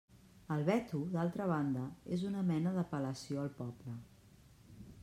El veto, d'altra banda, és una mena d'apel·lació al poble.